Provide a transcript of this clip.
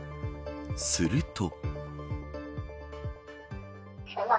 すると。